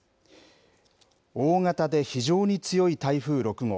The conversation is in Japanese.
大型で非常に強い台風６号。